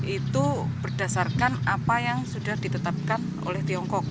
itu berdasarkan apa yang sudah ditetapkan oleh tiongkok